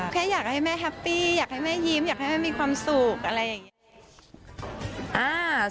แค่อยากให้แม่แฮปปี้อยากให้แม่ยิ้มอยากให้แม่มีความสุขอะไรอย่างนี้